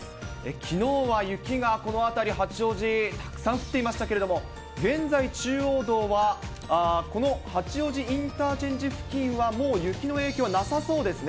きのうは雪がこの辺り、八王子、たくさん降っていましたけれども、現在、中央道はこの八王子インターチェンジ付近は、もう雪の影響はなさそうですね。